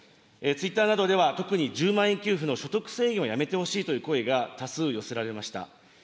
ツイッターなどでは、特に１０万円給付の所得制限をやめてほしいという声が多数寄せられました。